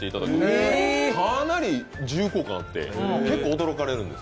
かなり重厚感あって結構驚かれるんです。